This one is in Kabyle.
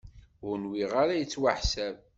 Ur nwiɣ ara yettwaḥsab.